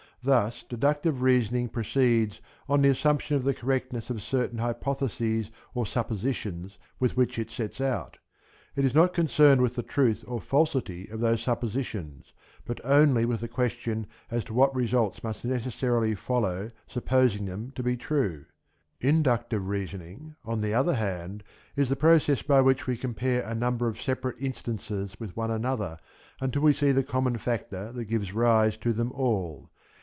Thus deductive reasoning proceeds on the assumption of the correctness of certain hypotheses or suppositions with which it sets out: it is not concerned with the truth or falsity of those suppositions, but only with the question as to what results must necessarily follow supposing them to be true. Inductive reasoning; on the other hand, is the process by which we compare a number of separate instances with one another until we see the common factor that gives rise to them all.